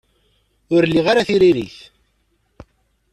Ur liɣ ara tiririt.